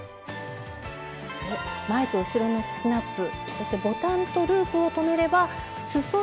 そして前と後ろのスナップそしてボタンとループを留めればすそ